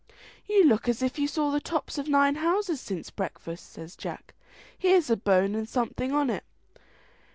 "You look as if you saw the tops of nine houses since breakfast," says Jack; "here's a bone and something on it."